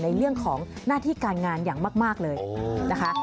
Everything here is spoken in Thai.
ในเรื่องของหน้าที่การงานอย่างมากเลยนะคะ